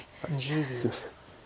すいません。